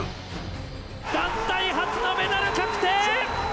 団体初のメダル確定！